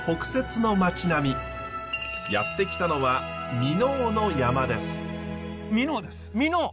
やって来たのは箕面の山です。